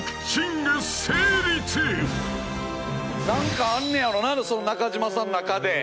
何かあんねやろななかじまさんの中で。